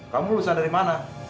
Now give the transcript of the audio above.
kamu lulusan dari mana